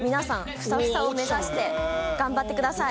フサフサを目指して頑張ってください。